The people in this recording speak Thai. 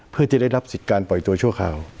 เพื่อจะได้รับสิทธิ์การปล่อยตัวชั่วคราว